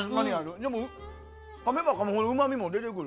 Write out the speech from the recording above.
でも、かめばかむほどうまみも出てくる。